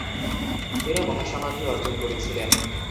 তিনি মহাসমাধি অর্জন করেছিলেন।